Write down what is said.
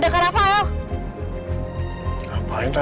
karena itu agak mantap